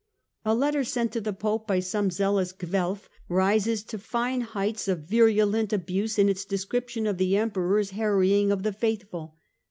A letter sent to the Pope by some zealous Guelf rises to fine heights of virulent abuse in its description of the Emperor's harrying of the faithful.